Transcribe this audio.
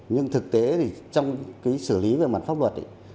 nhưng thực tế thì trong cái xử lý về mặt pháp luật